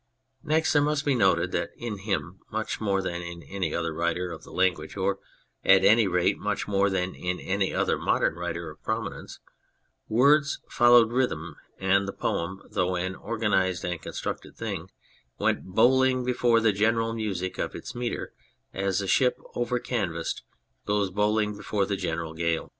Next there must be noted that in him much more than in any other writer of the language, or, at any rate, much more than in any other modern writer of prominence, words followed rhythm, and the poem, though an organised and constructed thing, went bowling before the general music of its metre as a ship over canvased goes bowling before the general gale.